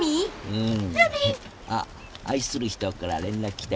うん。あっ愛する人から連絡来たから切るよ。